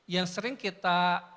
yang sering kita